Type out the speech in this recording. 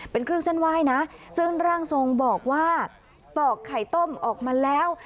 เป็นเครื่องเส้นไหว้นะซึ่งร่างทรงบอกว่าปอกไข่ต้มออกมาแล้ว